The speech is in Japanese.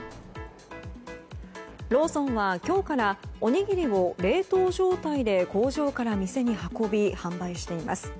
ローソンは、今日からおにぎりを冷凍状態で工場から店に運び販売しています。